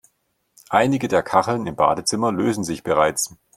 Einige der Kacheln im Badezimmer lösen sich bereits.